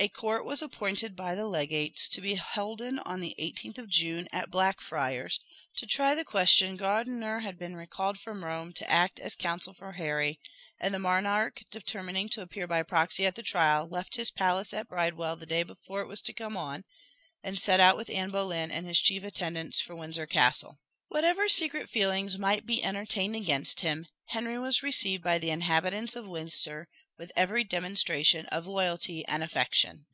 A court was appointed by the legates to be holden on the 18th of June, at Blackfriars, to try the question. Gardiner had been recalled from Rome to act as counsel for Henry; and the monarch, determining to appear by proxy at the trial, left his palace at Bridewell the day before it was to come on, and set out with Anne Boleyn and his chief attendants for Windsor Castle. Whatever secret feelings might be entertained against him, Henry was received by the inhabitants of Windsor with every demonstration of loyalty and affection.